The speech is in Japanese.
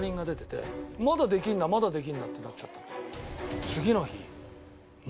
まだできるなまだできるなってなっちゃったの。